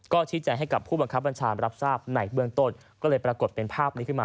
ก็ชี้แจงให้กับผู้บังคับบัญชารับทราบในเบื้องต้นก็เลยปรากฏเป็นภาพนี้ขึ้นมา